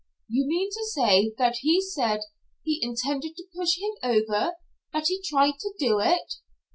"You mean to say that he said he intended to push him over? That he tried to do it?"